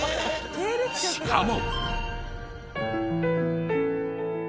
しかも。